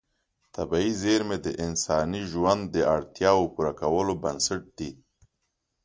طبیعي زېرمې د انساني ژوند د اړتیاوو پوره کولو بنسټ دي.